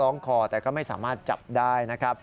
ตอนแรกก็ไม่แน่ใจนะคะ